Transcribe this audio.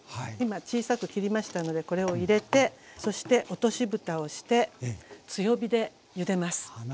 今小さく切りましたのでこれを入れてそして落としぶたをして強火でゆでます。